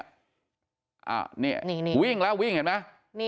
อ่านี่วิ่งแล้ววิ่งเห็นมั้ย